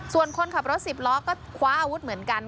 ส่วนคนขับรถสิบล้อก็คว้าอาวุธเหมือนกัน